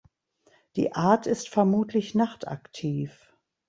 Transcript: Die Art ist vermutlich nachtaktiv.